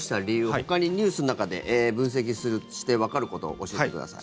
ほかにニュースの中で分析してわかること教えてください。